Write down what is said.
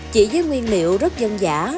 chỉ với nguyên liệu rất dân giả